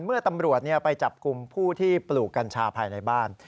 เมื่อตำรวจไปจับกลุ่มผู้ที่ปลูกกัญชาภายในบ้าน